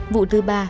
vụ thứ ba